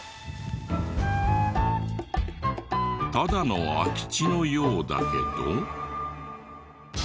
ただの空き地のようだけど。